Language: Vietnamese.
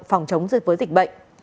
phòng chống dịch bệnh